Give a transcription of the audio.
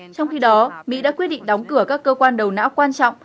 trong khi đó mỹ đã quyết định đóng cửa các cơ quan đầu não quan trọng